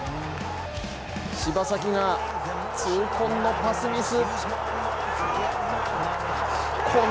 柴崎が痛恨のパスミス。